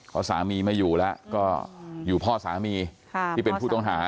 เพราะสามีไม่อยู่แล้วก็อยู่พ่อสามีที่เป็นผู้ต้องหา